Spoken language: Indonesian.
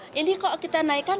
nah ini kok kita naikkan